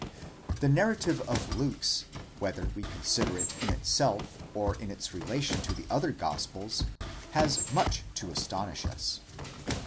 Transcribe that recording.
This narrative of Luke's, whether we consider it in itself or in its relation to the other gospels, has much to astonish us.